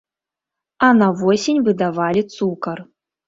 А на восень выдавалі цукар.